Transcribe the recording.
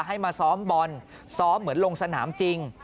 ให้มาซ้อมบอลซ้อมเหมือนลงสนามจริง